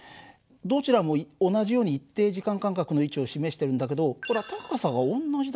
どちらも同じように一定時間間隔の位置を示してるんだけどこれは高さが同じだろう。